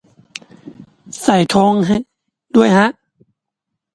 ใส่ธงด้วยฮะ